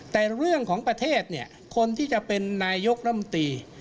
แต่เรื่องของประเทศคนที่จะเป็นนายยกรัฐมนตรี